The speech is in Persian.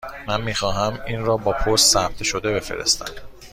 من می خواهم این را با پست ثبت شده بفرستم.